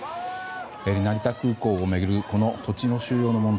成田空港を巡るこの土地の問題